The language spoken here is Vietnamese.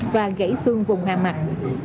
và gãy xương vùng hà mạch